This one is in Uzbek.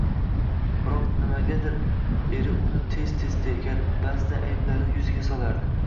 Biroq nimagadir eri uni tez-tez tergar, baʼzida ayblarini yuziga solardi